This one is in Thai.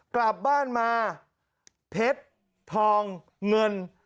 กลับบ้านมาเพชรทองเงิน